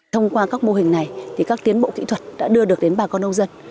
thông qua các mô hình này các tiến bộ kỹ thuật đã đưa được đến bà con nông dân